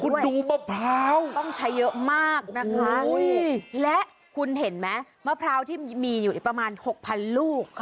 คุณดูมะพร้าวต้องใช้เยอะมากนะคะและคุณเห็นไหมมะพร้าวที่มีอยู่อีกประมาณ๖๐๐ลูก